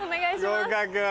合格。